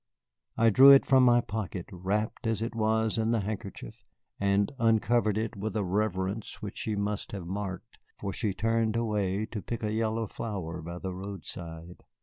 I drew it from my pocket, wrapped as it was in the handkerchief, and uncovered it with a reverence which she must have marked, for she turned away to pick a yellow flower by the roadside.